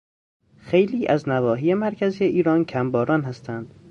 خیلی از نواحی مرکز ایران کمباران هستند.